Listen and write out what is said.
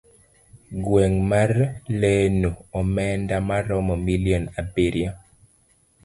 gweng' mar Lenu, omenda maromo milion abiriyo.